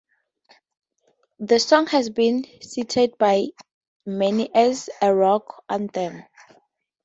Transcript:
The song has been cited by many as a "rock anthem".